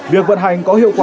việc vận hành có hiệu quả